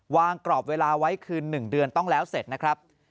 กรอบเวลาไว้คือ๑เดือนต้องแล้วเสร็จนะครับ